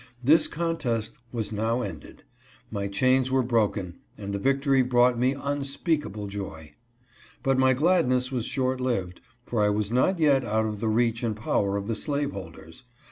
This contest was now ended ; my chains were broken, and the victory brought me unspeakable joy. But my gladness was short lived, for I was not yet out of the reach and power of the slaveholders.